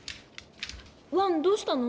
ワンどうしたの？